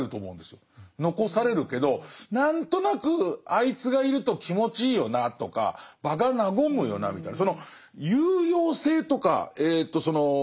残されるけど何となくあいつがいると気持ちいいよなとか場が和むよなみたいな